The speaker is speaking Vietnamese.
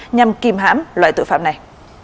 nhằm kìm hãm loại tội phạm này